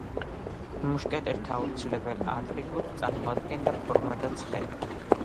მუშკეტერთა აუცილებელ ატრიბუტს წარმოადგენდა ფორმა და ცხენი.